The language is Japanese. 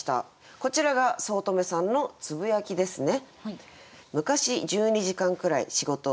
こちらが五月女さんのつぶやきですね。